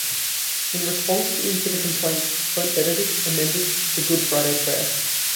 In response to the complaints, Pope Benedict amended the Good Friday prayer.